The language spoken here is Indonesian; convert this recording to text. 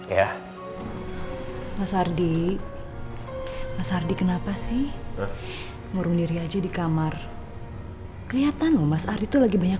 ya mas ardi mas ardi kenapa sih ngurung diri aja di kamar kelihatan loh mas ardi itu lagi banyak